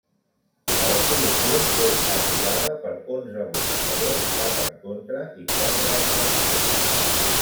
La resolució fou aprovada per onze vots a favor, cap en contra i quatre abstencions.